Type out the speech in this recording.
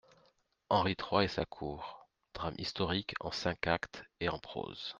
=Henri trois et sa cour.= Drame historique en cinq actes et en prose.